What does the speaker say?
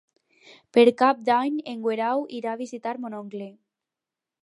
Per Cap d'Any en Guerau irà a visitar mon oncle.